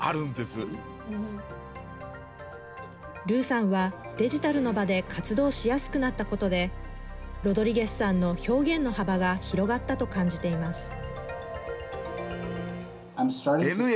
ルーさんはデジタルの場で活動しやすくなったことでロドリゲスさんの表現の幅が広がったと感じています。